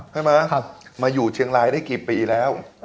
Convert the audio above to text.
ใช่ไหมมาอยู่เชียงรายได้กี่ปีแล้ว